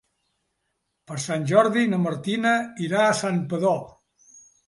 Per Sant Jordi na Martina irà a Santpedor.